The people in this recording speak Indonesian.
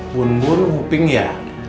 bunbur huping ya